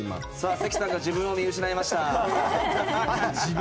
関さんが自分を見失いました。